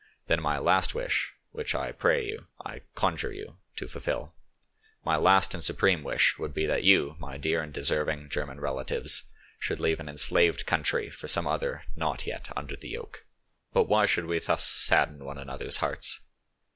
then my last wish, which I pray you, I conjure you, to fulfil, my last and supreme wish would be that you, my dear and deserving German relatives, should leave an enslaved country for some other not yet under the yoke. "But why should we thus sadden one another's hearts?